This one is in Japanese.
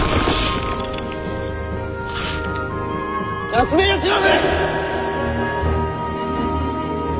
夏目吉信！